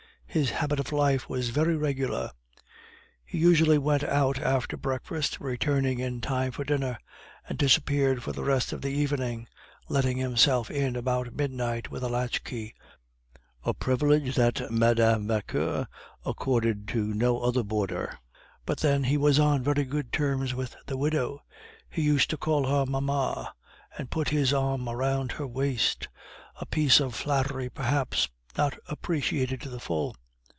His habit of life was very regular; he usually went out after breakfast, returning in time for dinner, and disappeared for the rest of the evening, letting himself in about midnight with a latch key, a privilege that Mme. Vauquer accorded to no other boarder. But then he was on very good terms with the widow; he used to call her "mamma," and put his arm round her waist, a piece of flattery perhaps not appreciated to the full!